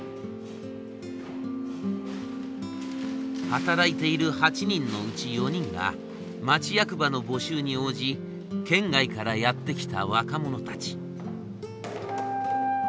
働いている８人のうち４人が町役場の募集に応じ県外からやって来た若者たち。